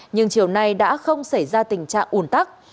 nhưng chiều nay đã không xảy ra tình trạng ủn tắc